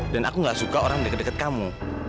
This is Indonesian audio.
dan aku gak suka orang deket deket kamu